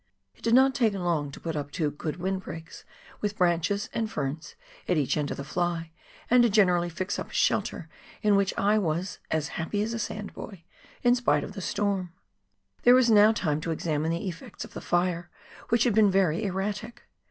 It did not take long to put up two good breakwinds with branches and ferns at each end of the fly, and to generally '* fix up " a shelter in which I was " as happy as a sand boy " in spite of the storm. There was now time to examine the efi'ects of the fire, which had been very erratic.